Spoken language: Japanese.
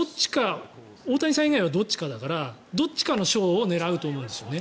大谷さん以外はどっちかだからどっちかの賞を狙うと思うんですよね。